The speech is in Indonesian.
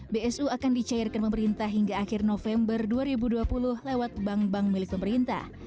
bsu akan dicairkan pemerintah hingga akhir november dua ribu dua puluh lewat bank bank milik pemerintah